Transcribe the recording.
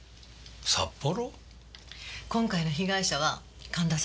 今回の被害者は神田さん。